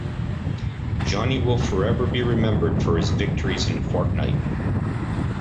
Johnny will forever be remembered for his victories in Fortnite.